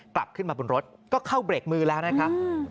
กลับขึ้นมาบนรถก็เข้าเบรกมือแล้วนะครับ